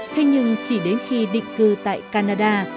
thế nhưng chỉ đến khi định cư tại canada